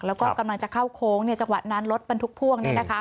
แล้วก็กำลังจะเข้าโค้งเนี่ยจังหวัดนั้นรถมันทุกพ่วงเนี่ยนะคะ